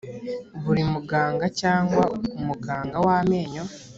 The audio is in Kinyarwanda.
buri muganga cyangwa umuganga w amenyo